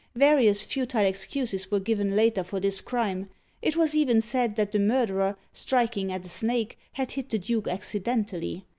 Various futile excuses were given later for this crime; it was even said that the murderer, striking at a snake, had hit the duke accidentally.